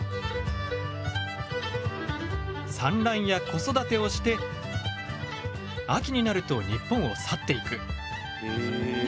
産卵や子育てをして秋になると日本を去っていく。